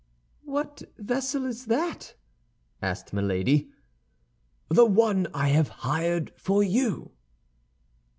"What vessel is that?" asked Milady. "The one I have hired for you."